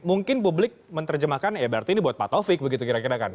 mungkin publik menerjemahkan ya berarti ini buat pak taufik begitu kira kira kan